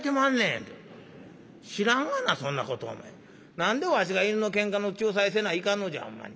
何でわしが犬のけんかの仲裁せないかんのじゃほんまに。